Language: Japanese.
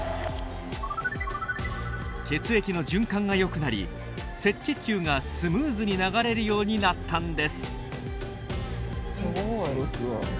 血液の循環がよくなり赤血球がスムーズに流れるようになったんです。